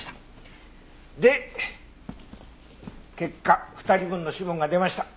で結果２人分の指紋が出ました。